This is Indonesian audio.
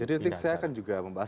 jadi nanti saya akan juga membahas